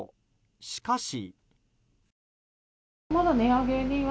しかし。